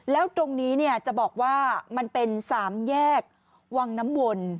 แล้วตรงนี้จะบอกว่ามันเป็น๓แยกวังน้ำวน